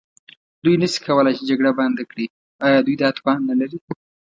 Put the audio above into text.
دوی نه شي کولای چې جګړه بنده کړي، ایا دوی دا توان نه لري؟